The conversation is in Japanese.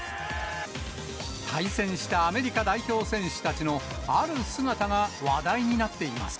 対戦したアメリカ代表選手たちの、ある姿が話題になっています。